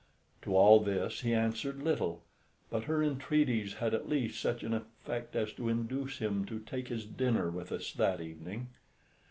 To all this he answered little, but her entreaties had at least such an effect as to induce him to take his dinner with us that evening.